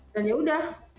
dan ya udah